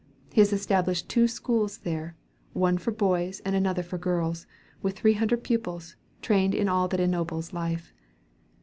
He has established two schools here, one for boys and another for girls, with three hundred pupils, trained in all that ennobles life.